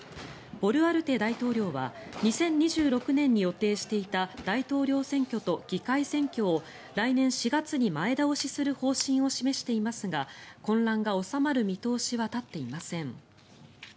ボルアルテ大統領は２０２６年に予定していた大統領選と議会選挙を来年４月に前倒しする方針を示していますが混乱が収まる見通しは立っていません。